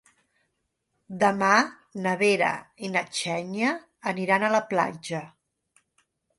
Demà na Vera i na Xènia aniran a la platja.